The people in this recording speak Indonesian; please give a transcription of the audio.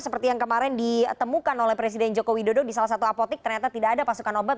seperti yang kemarin ditemukan oleh presiden joko widodo di salah satu apotik ternyata tidak ada pasokan obat